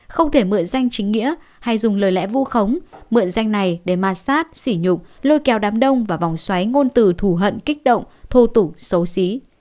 không thể mượn danh chính nghĩa hay dùng lời lẽ vu khống mượn danh này để mà sát xỉ nhục lôi kéo đám đông và vòng xoáy ngôn từ thù hận kích động thô tủ xấu xí